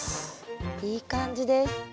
いい感じです。